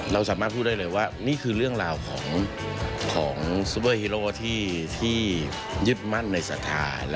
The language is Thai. เราสามารถพูดได้เลยว่านี่คือเรื่องราวของซูเปอร์ฮีโร่ที่ยึดมั่นในศรัทธา